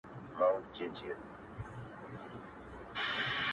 دنظم عنوان دی قاضي او څارنوال,